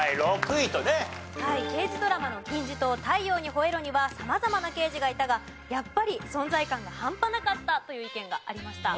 刑事ドラマの金字塔『太陽にほえろ！』には様々な刑事がいたがやっぱり存在感が半端なかった！という意見がありました。